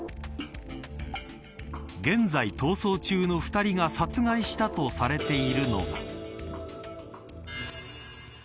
現在逃走中の２人が殺害したとされているのが。